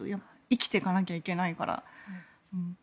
生きていかなきゃいけないから。